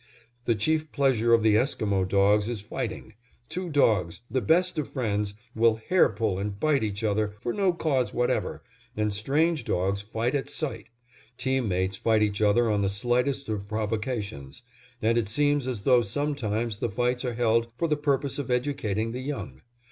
The chief pleasure of the Esquimo dogs is fighting; two dogs, the best of friends, will hair pull and bite each other for no cause whatever, and strange dogs fight at sight; team mates fight each other on the slightest of provocations; and it seems as though sometimes the fights are held for the purpose of educating the young.